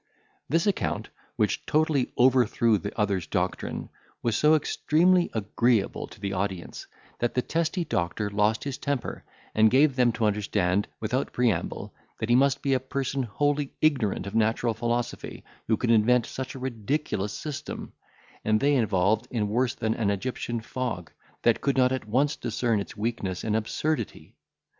This account, which totally overthrew the other's doctrine, was so extremely agreeable to the audience, that the testy doctor lost his temper, and gave them to understand, without preamble, that he must be a person wholly ignorant of natural philosophy, who could invent such a ridiculous system, and they involved in worse than an Egyptian fog, that could not at once discern its weakness and absurdity.